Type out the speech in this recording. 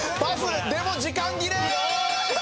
でも時間切れ！